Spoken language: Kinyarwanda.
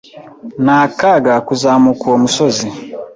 Ni akaga kuzamuka uwo musozi.